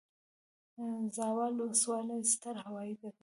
د زاول وسلوالی ستر هوایي ډګر